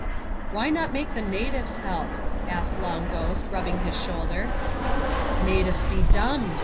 "Why not make the natives help?" asked Long Ghost, rubbing his shoulder, "Natives be dumned!"